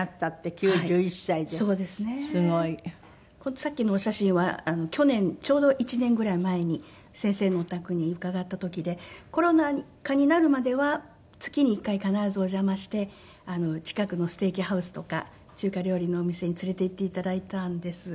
さっきのお写真は去年ちょうど１年ぐらい前に先生のお宅に伺った時でコロナ禍になるまでは月に１回必ずお邪魔して近くのステーキハウスとか中華料理のお店に連れて行って頂いたんです。